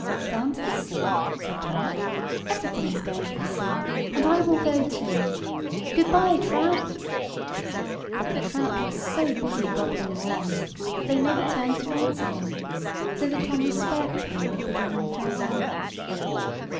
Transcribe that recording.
"Down to the sea?" said Tom; "everything is going to the sea, and I will go too. Good bye, trout." But the trout were so busy gobbling worms that they never turned to answer him; so that Tom was spared the pain of bidding them farewell.